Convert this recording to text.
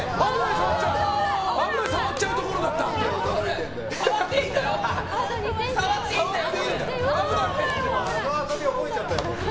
危ない触っちゃうところだったって。